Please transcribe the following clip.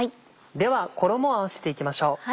では衣を合わせていきましょう。